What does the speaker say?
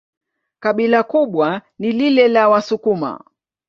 Kabila kubwa ni lile la Wasukuma.